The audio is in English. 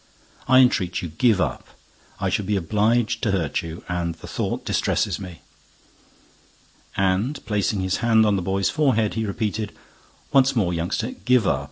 I entreat you, give up—I should be obliged to hurt you; and the thought distresses me." And, placing his hand on the boy's forehead, he repeated, "Once more, youngster, give up.